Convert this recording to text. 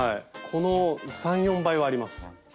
この３４倍はあります。